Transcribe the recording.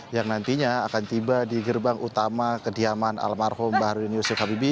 yang nantinya akan tiba di gerbang utama kediaman almarhum bahrudin yusuf habibie